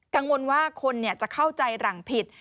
กังวลว่าคนจะเข้าใจหลังผิด